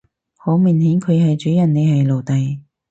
好明顯佢係主人你係奴隸